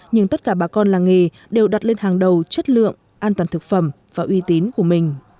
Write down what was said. nhưng tất cả bà con làng nghề đều đặt lên hàng đầu chất lượng an toàn thực phẩm và uy tín của mình